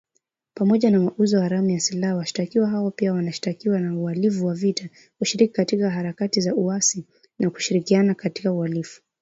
Pamoja na mauzo haramu ya silaha, washtakiwa hao pia wanashtakiwa kwa uhalivu wa vita, kushiriki katika harakati za uasi na kushirikiana na wahalifu